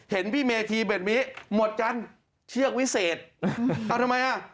เห็นพี่เมธีแบบนี้หมดกันเชือกวิเศษเอาทำไมอ่ะ